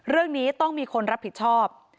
เรื่องนี้ต้องมีคนรับผิดชอบ